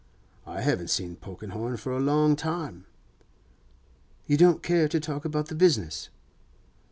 I haven't seen Polkenhorne for a long time.' 'You don't care to talk about the business?